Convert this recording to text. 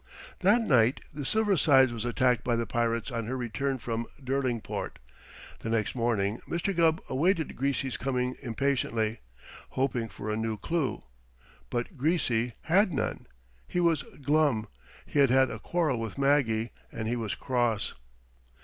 That night the Silver Sides was attacked by the pirates on her return from Derlingport. The next morning Mr. Gubb awaited Greasy's coming impatiently, hoping for a new clue, but Greasy had none. He was glum. He had had a quarrel with Maggie, and he was cross.